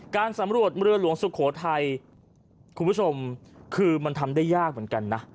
การสำรวจเรือหลวงสุโขทัยคุณผู้ชมคือมันทำได้ยากเหมือนกันนะ